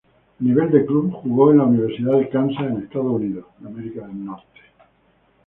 A nivel de clubes jugó en la Universidad de Kansas en Estados Unidos.